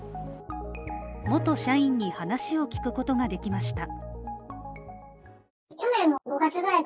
元社員に話を聞くことができました。